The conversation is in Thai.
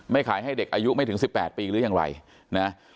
ไม่ขายให้เด็กอายุไม่ถึงสิบแปดปีหรือยังไงนะ